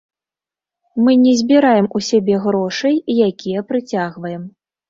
Мы не збіраем у сябе грошай, якія прыцягваем.